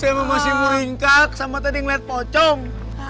sempurna mulu minggak sama tadi ngelihat pocong